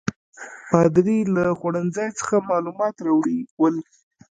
پادري له خوړنځای څخه معلومات راوړي ول.